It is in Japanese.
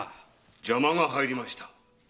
邪魔が入りました。